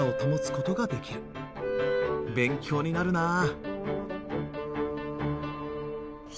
勉強になるなあ！